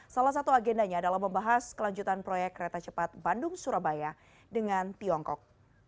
salah satu agendanya adalah membahas kelanjutan proyek kereta cepat bandung surabaya dengan tiongkok